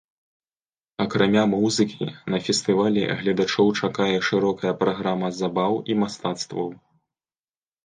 Акрамя музыкі, на фестывалі гледачоў чакае шырокая праграма забаў і мастацтваў.